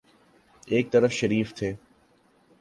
ایک طرف شریف تھے۔